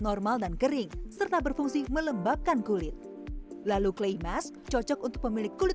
normal dan kering serta berfungsi melembabkan kulit lalu clay mask cocok untuk pemilik kulit